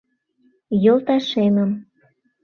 «Йолташемым».